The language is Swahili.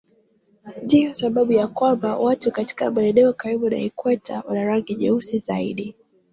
Ndiyo sababu ya kwamba watu katika maeneo karibu na ikweta wana rangi nyeusi zaidi.